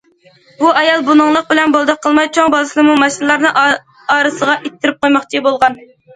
بۇ ئايال بۇنىڭلىق بىلەن بولدى قىلماي چوڭ بالىسىنىمۇ ماشىنىلارنىڭ ئارىسىغا ئىتتىرىپ قويماقچى بولغان.